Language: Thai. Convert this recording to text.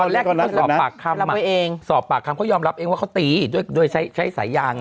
แต่ตอนแรกที่เขาสอบปากคำสอบปากคำเขายอมรับเองว่าเขาตีด้วยใช้สายยาง